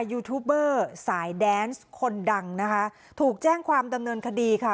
ยูทูบเบอร์สายแดนส์คนดังนะคะถูกแจ้งความดำเนินคดีค่ะ